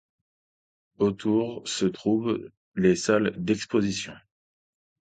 Autour se trouvent les salles d'expositions.